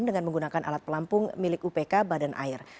dengan menggunakan alat pelampung milik upk badan air